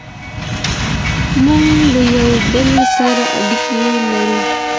موږ له یو بل سره اړیکي لرو.